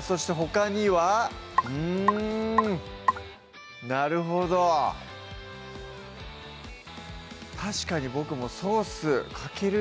そしてほかにはうんなるほど確かに僕もソースかける